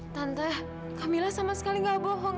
tante kamila sama sekali gak bohong